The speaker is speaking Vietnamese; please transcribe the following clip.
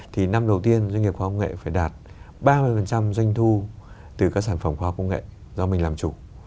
thì năm đầu tiên doanh nghiệp khoa học công nghệ phải đạt ba mươi doanh thu từ các sản phẩm khoa học công nghệ do mình làm chủ